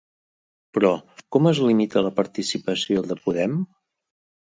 Però, com es limita la participació de Podem?